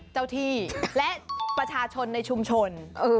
เจ้าที่และประชาชนในชุมชน